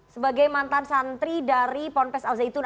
sebagai mantan santri dari ponpes al zaitun